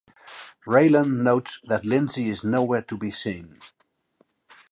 Raylan notes that Lindsey is nowhere to be seen.